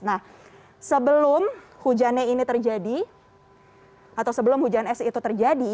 nah sebelum hujannya ini terjadi atau sebelum hujan es itu terjadi